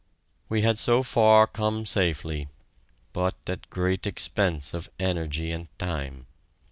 We had so far come safely, but at great expense of energy and time.